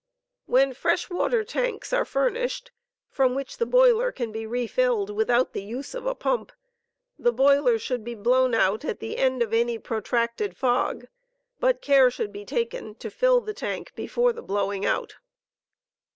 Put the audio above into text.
When fresh water tanks are furnished, from which the boiler can be refilled without the use of a pump, the boiler should be blown out at the end of any protracted fog, but care should be taken to fill the tank before the blowing out.